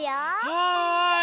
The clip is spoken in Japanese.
はい。